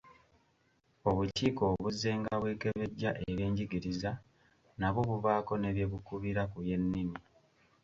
Obukiiko obuzzenga bwekebejja ebyenjigiriza nabwo bubaako ne bye bukubira ku by’ennimi.